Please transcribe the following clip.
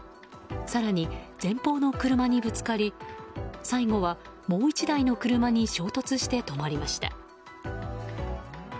更に前方の車にぶつかり最後はもう１台の車に衝突して止まりました。